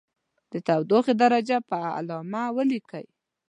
د تودوخې درجه په علامه ولیکئ.